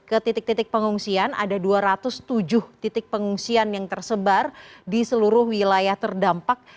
ke titik titik pengungsian ada dua ratus tujuh titik pengungsian yang tersebar di seluruh wilayah terdampak